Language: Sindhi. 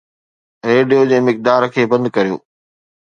ريڊيو جي مقدار کي بند ڪريو